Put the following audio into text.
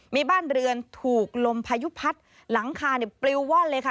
มีบ้านเรือนถูกลมพายุพัดหลังคาปลิวว่อนเลยค่ะ